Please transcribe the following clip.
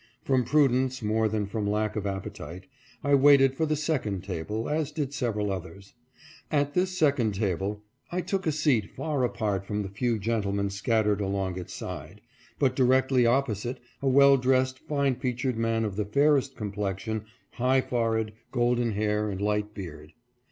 From prudence, more than from lack of appetite, I waited for the second table, as did several others. At this second table I took a seat far apart from the few gentlemen scattered along its side, but directly opposite a well dressed, fine featured man of the fairest complexion, high forehead, golden hair, and light beard.